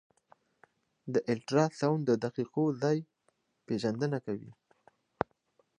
الټراساؤنډ د دقیق ځای پېژندنه کوي.